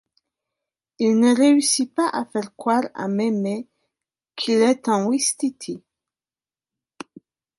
Il ne réussit pas à faire croire à Mémé qu'il est un ouistiti.